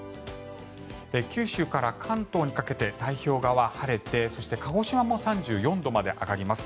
九州から関東にかけて太平洋側は晴れてそして、鹿児島も３４度まで上がります。